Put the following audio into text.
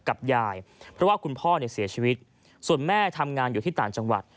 กับยายเพราะว่าคุณพ่อเนี่ยเสียชีวิตส่วนแม่ทำงานอยู่ที่ต่างจังหวัด